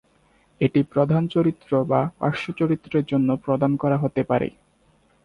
এটি প্রধান চরিত্র বা পার্শ্ব চরিত্রের জন্যও প্রদান করা হতে পারে।